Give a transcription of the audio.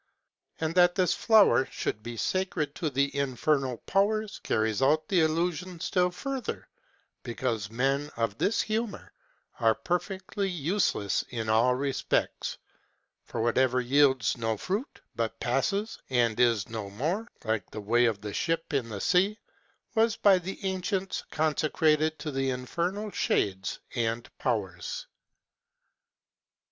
And that this flower should be sacred to the infernal powers, carries out the allusion still further; because men of this humor are perfectly useless in all respects: for whatever yields no fruit, but passes, and is no more, like the way of a ship in the sea, was by the ancients consecrated to the infernal shades and powers.